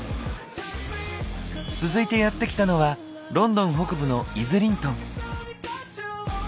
続いてやって来たのはロンドン北部のイズリントン。